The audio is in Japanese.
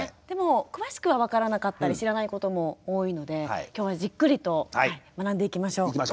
でも詳しくは分からなかったり知らないことも多いので今日はじっくりと学んでいきましょう。